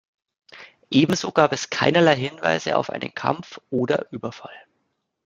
Ebenso gab es keinerlei Hinweise auf einen Kampf oder Überfall.